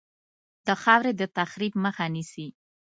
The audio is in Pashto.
د خاورې د تخریب مخه ونیسي.